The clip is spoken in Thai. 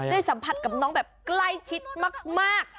สัมผัสกับน้องแบบใกล้ชิดมาก